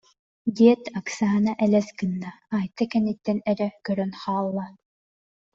диэт, Оксана элэс гынна, Айта кэнниттэн эрэ көрөн хаалла